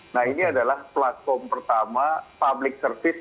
nah ini adalah platform pertama public service